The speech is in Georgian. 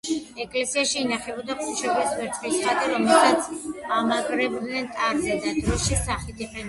ეკლესიაში ინახებოდა ღვთისმშობლის ვერცხლის ხატი, რომელსაც ამაგრებდნენ ტარზე და დროშის სახით იყენებდნენ.